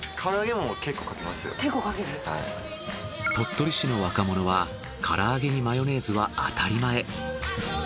鳥取市の若者は唐揚げにマヨネーズは当たり前。